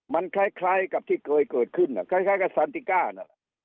มันคล้ายกับที่เคยเกิดขึ้นน่ะคล้ายกับสันติก้าน่ะ